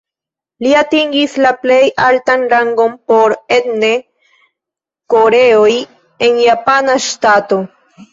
Li atingis la plej altan rangon por etne koreoj en japana ŝtato.